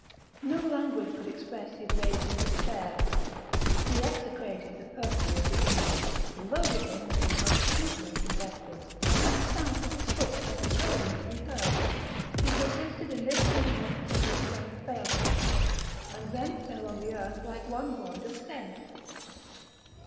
No language could express his rage and despair. He execrated the perfidy of the Indian, loaded him with the most infamous invectives, and stamped with his foot as resolving to be heard; he persisted in this demeanour till his strength failed him, and then fell on the earth like one void of sense.